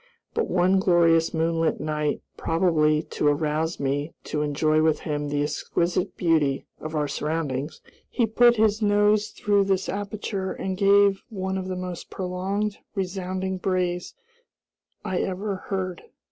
But one glorious moonlight night, probably to arouse me to enjoy with him the exquisite beauty of our surroundings, he put his nose through this aperture and gave one of the most prolonged, resounding brays I ever heard.